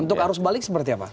untuk arus balik seperti apa